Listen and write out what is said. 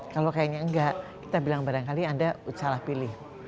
kalau kayaknya enggak kita bilang barangkali anda salah pilih